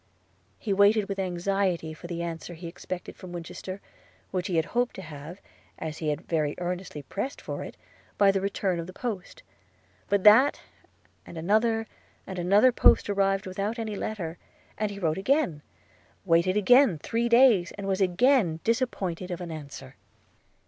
– He waited with anxiety for the answer he expected from Winchester, which he had hoped to have, as he had very earnestly pressed for it, by the return of the post; but that, and another, and another post arrived without any letter; and he wrote again, waited again three days, and was again disappointed of an answer.